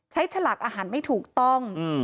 ฉลากอาหารไม่ถูกต้อง